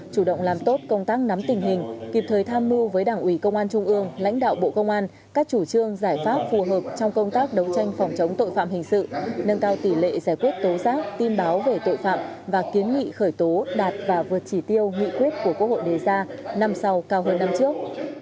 chủ động làm tốt công tác nắm tình hình kịp thời tham mưu với đảng ủy công an trung ương lãnh đạo bộ công an các chủ trương giải pháp phù hợp trong công tác đấu tranh phòng chống tội phạm hình sự nâng cao tỷ lệ giải quyết tố giác tin báo về tội phạm và kiến nghị khởi tố đạt và vượt chỉ tiêu nghị quyết của quốc hội đề ra năm sau cao hơn năm trước